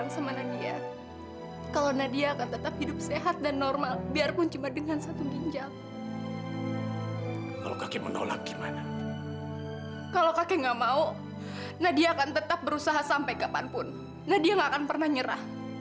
sekarang kakek tidur ya